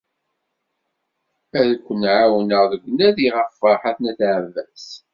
Ad kun-ɛawneɣ deg unadi ɣef Ferḥat n At Ɛebbas.